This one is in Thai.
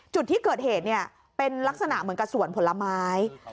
จุดที่เกิดเหตุเนี่ยเป็นลักษณะเหมือนกับสวนผลไม้